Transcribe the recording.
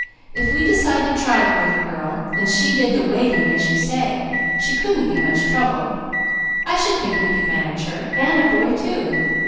If we decided to try the little girl and she did the 'waiting' as you say, she couldn't be much trouble. I should think we could manage her, and a boy too.